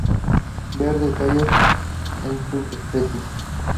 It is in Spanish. Ver detalles en Subespecies.